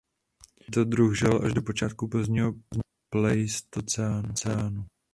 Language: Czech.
Tento druh žil až do počátku pozdního pleistocénu.